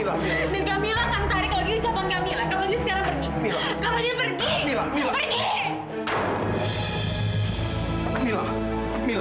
dan kak mila akan tarik lagi ucapan kak mila